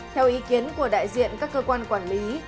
theo ý kiến của đại diện các cơ quan quản lý